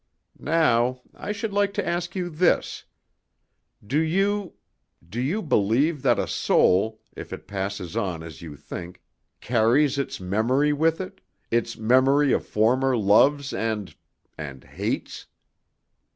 Now, I should like to ask you this: Do you do you believe that a soul, if it passes on as you think, carries its memory with it, its memory of former loves and and hates?